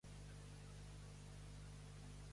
Per què Nisos requeria l'ajuda de Megareu?